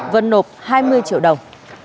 vân nộp hai mươi triệu đồng